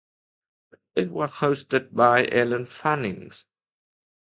It was hosted by Ellen Fanning.